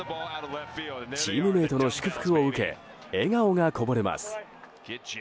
チームメートの祝福を受け笑顔がこぼれます。